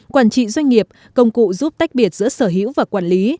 quản trị doanh nghiệp công cụ giúp tách biệt giữa sở hữu và quản lý